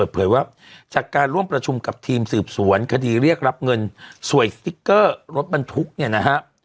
เผยว่าจากการร่วมประชุมกับทีมสืบสวนคดีเรียกรับเงินสวยสติ๊กเกอร์รถบรรทุกเนี่ยนะฮะ